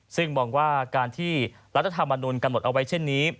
ซึ่งมองว่าการที่รัฐธรรมนุนกำหนดเอาไว้เช่นนี้